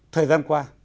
thời gian qua